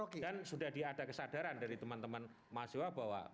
dan sudah ada kesadaran dari teman teman mahasiswa bahwa